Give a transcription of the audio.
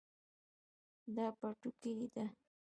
دا پټوکۍ ده